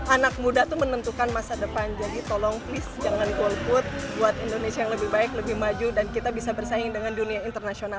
anak muda itu menentukan masa depan jadi tolong please jangan golput buat indonesia yang lebih baik lebih maju dan kita bisa bersaing dengan dunia internasional